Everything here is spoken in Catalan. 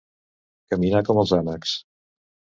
Caminar com els ànecs.